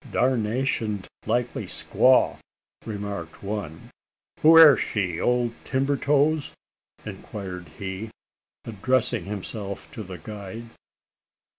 "Darnationed likely squaw!" remarked one. "Who air she, old timber toes?" inquired he, addressing himself to the guide.